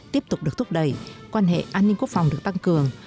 tiếp tục được thúc đẩy quan hệ an ninh quốc phòng được tăng cường